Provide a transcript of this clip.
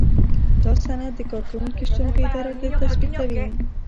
دا سند د کارکوونکي شتون په اداره کې تثبیتوي.